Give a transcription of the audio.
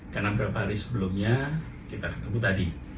karena beberapa hari sebelumnya kita ketemu tadi